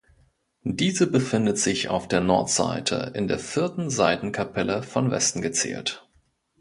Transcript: Diese befindet sich auf der Nordseite in der vierten Seitenkapelle, von Westen gezählt.